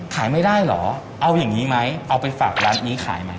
ขายไม่ได้เหรอเอาอย่างนี้ไหมเอาไปฝากร้านนี้ขายไหม